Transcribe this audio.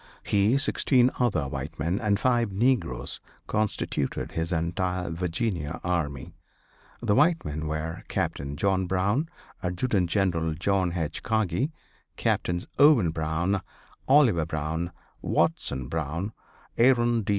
He, sixteen other white men and five negroes, constituted his entire Virginia army. The white men were Captain John Brown, Adjutant General John H. Kagi, Captains Owen Brown, Oliver Brown, Watson Brown, Aaron D.